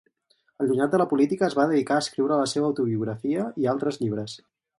Allunyat de la política es va dedicar a escriure la seva autobiografia i altres llibres.